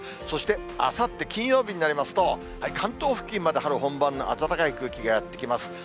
そして、あさって金曜日になりますと、関東付近まで春本番の暖かい空気がやって来ます。